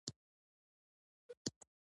تر هغې ډېر مصرف کړو